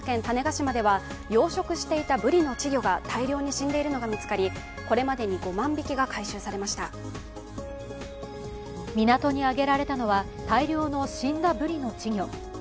種子島では養殖していた、ぶりの稚魚が大量に死んでいるのが見つかり、これまでに５万匹が回収されました港に揚げられたのは大量の死んだぶりの稚魚。